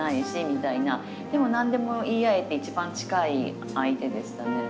でも何でも言い合えて一番近い相手でしたね。